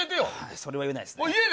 それは言えないですね。